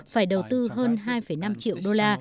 phải đầu tư hơn hai năm triệu đô la